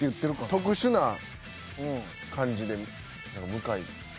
特殊な感じで「向井」。